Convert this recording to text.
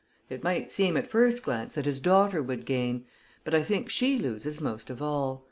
It might seem, at first glance, that his daughter would gain; but I think she loses most of all.